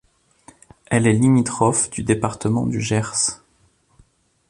Elle est limitrophe du département du Gers.